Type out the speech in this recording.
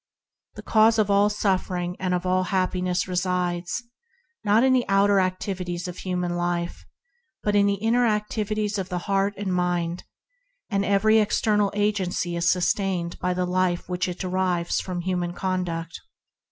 The cause of all suffer ing and of all happiness resides in the inner activities of the heart and mind, not in the outer activities of human life, and every external agency is sustained by the life it derives from human conduct.